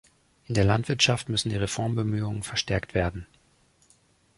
In der Landwirtschaft müssen die Reformbemühungen verstärkt werden.